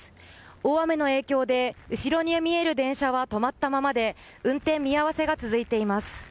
大雨の影響で後ろに見える電車は止まったままで運転見合わせが続いています。